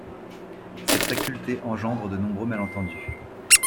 Cette faculté engendre de nombreux malentendus...